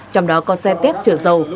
trong đó có xe tét chở dầu